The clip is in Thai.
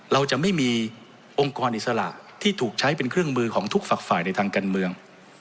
เราจะไม่มีองค์กรอิสระที่ถูกใช้เป็นเครื่องมือของทุกฝักฝ่ายในทางการเมือง